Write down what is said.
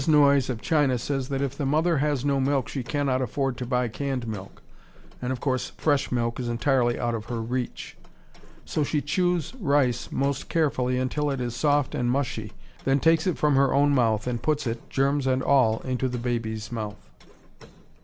Noyes of China says that if the mother has no milk she cannot afford to buy canned milk, and of course fresh milk is entirely out of her reach. So she chews rice most carefully until it is soft and mushy, then takes it from her own mouth and puts it, germs and all, into the baby's mouth.